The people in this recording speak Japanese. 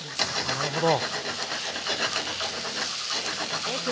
なるほど。